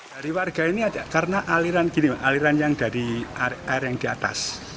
dari warga ini karena aliran yang dari air yang di atas